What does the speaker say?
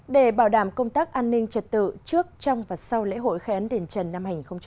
để bảo đảm công tác an ninh trật tự trước trong và sau lễ hội khai án đền trần năm hai nghìn một mươi chín